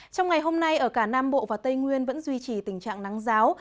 trong ngày hôm nay ở cả nam bộ và tây nguyên vẫn duy trì tình trạng nắng giáo